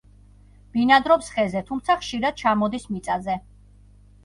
ბინადრობს ხეზე, თუმცა ხშირად ჩამოდის მიწაზე.